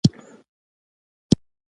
هر پل درته بلېږمه کاروانه که راځې